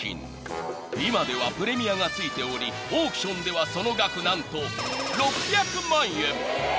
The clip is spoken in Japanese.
［今ではプレミアがついておりオークションではその額何と］